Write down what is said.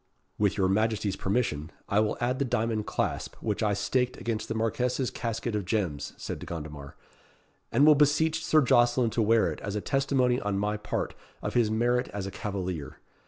"With your Majesty's permission, I will add the diamond clasp which I staked against the Marquess's casket of gems," said De Gondomar, "and will beseech Sir Jocelyn to wear it as a testimony on my part of his merit as a cavalier.